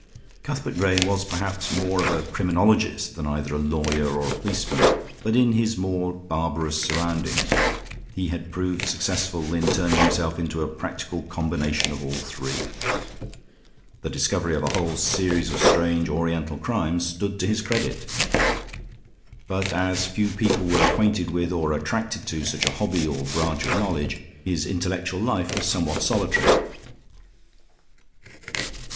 Cuthbert Grayne was perhaps more of a criminologist than either a lawyer or a policeman, but in his more barbarous surroundings he had proved successful in turning himself into a practical combination of all three. The discovery of a whole series of strange Oriental crimes stood to his credit. But as few people were acquainted with, or attracted to, such a hobby or branch of knowledge, his intellectual life was somewhat solitary.